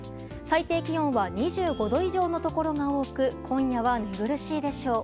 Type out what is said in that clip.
最低気温は２５度以上のところが多く今夜は寝苦しいでしょう。